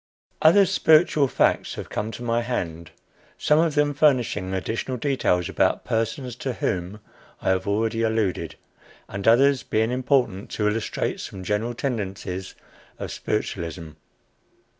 Other "spiritual" facts have come to my hand, some of them furnishing additional details about persons to whom I have already alluded, and others being important to illustrate some general tendencies of spiritualism.